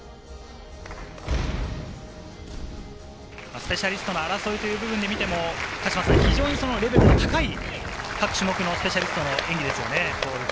スペシャリストの争いという部分で見ても非常にレベルの高い各種目のスペシャリストの演技ですよね。